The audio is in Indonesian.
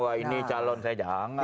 wah ini calon saya jangan